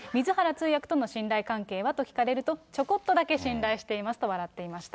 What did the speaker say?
通訳との信頼関係はと聞かれると、ちょこっとだけ信頼していますと笑っていました。